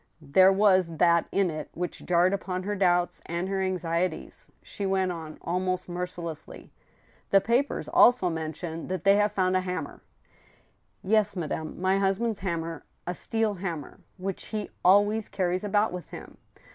There was that in it which jarred upon her doubts and her anxie ties. She went on, almost mercilessly : "The papers also mention that they have found a ham mer—" " Yes, madame ; my husband's hammer— a steel hammer, .... which he always carries about with him.